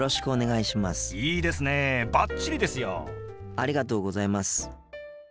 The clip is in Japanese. ありがとうございます。